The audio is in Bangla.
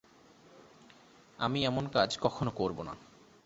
আমি এমন কাজ কখনো করব না।